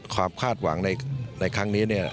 คาดหวังในครั้งนี้